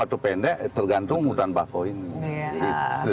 atau pendek tergantung hutan bakau ini